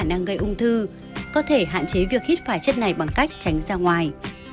khả năng gây ung thư có thể hạn chế việc hít phải chất này bằng cách tránh ra ngoài